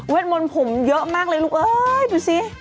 เวทมนต์ผมเยอะมากเลยลูกดูสิ